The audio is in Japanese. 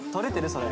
それ。